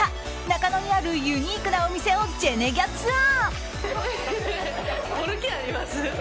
中野にあるユニークなお店をジェネギャツア！